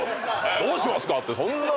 「どうしますか？」ってそんな。